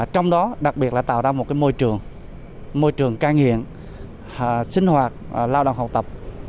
trong đó đặc biệt là tạo ra một môi trường môi trường cai nghiện sinh hoạt lao động học tập